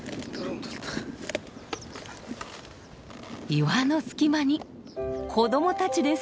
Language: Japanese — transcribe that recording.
岩の隙間に子どもたちです！